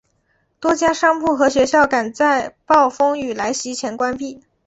多家商铺和学校赶在风暴来袭前关闭。